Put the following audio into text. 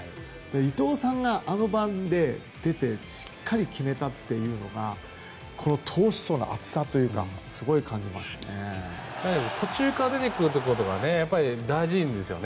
伊藤さんがあの番で出てしっかり決めたというのがこの投手層の厚さというのか途中から出てくることがやっぱり大事なんですよね。